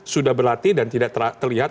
sudah berlatih dan tidak terlihat